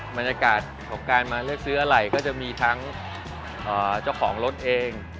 มันจะเกิดของการมาเลือกซื้ออะไหล่ก็จะมีทั้งเจ้าของรถเอง